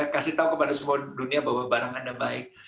kasih tahu kepada semua dunia bahwa barang anda baik